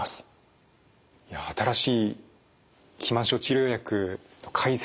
いや新しい肥満症治療薬の解説